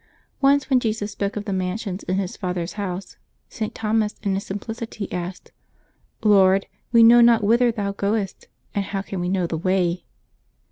Once when Jesus spoke of the mansions in His Father's house, St. ZThomas, in his simplicity, asked :" Lord, we know not whither Thou goest, and how can we know the way